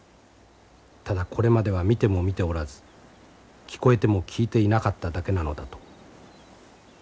ただこれまでは見ても見ておらず聞こえても聞いていなかっただけなのだと。